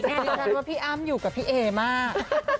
ดิฉันว่าพี่อ้ำอยู่กับพี่เอมาก